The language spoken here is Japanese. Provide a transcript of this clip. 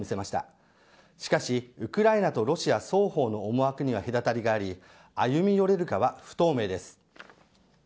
しかしウクライナとロシア双方の思惑には隔たりがあり歩み寄れるかは不透明です。